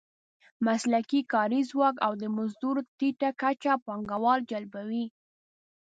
مسلکي کاري ځواک او د مزدور ټیټه کچه پانګوال جلبوي.